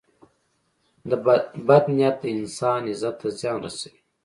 • بد نیت د انسان عزت ته زیان رسوي.